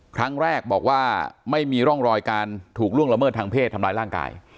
ครั้งแรกบอกว่าไม่มีร่องรอยการถูกล่วงละเมิดทางเพศทำร้ายร่างกาย